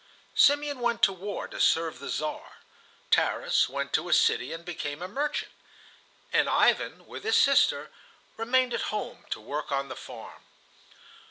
Simeon went to war, to serve the Czar; Tarras went to a city and became a merchant; and Ivan, with his sister, remained at home to work on the farm.